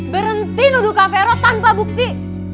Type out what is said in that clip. berhenti nuduh kak vero tanpa bukti